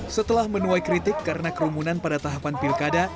setelah menuai kritik karena kerumunan pada tahapan pilkada